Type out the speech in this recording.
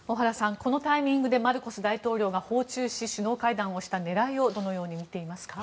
このタイミングでマルコス大統領が訪中し首脳会談をした狙いをどのように見ていますか。